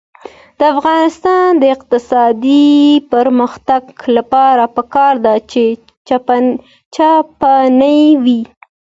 د افغانستان د اقتصادي پرمختګ لپاره پکار ده چې چپنې وي.